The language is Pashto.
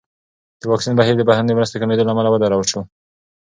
د واکسین بهیر د بهرنیو مرستو کمېدو له امله ودرول شو.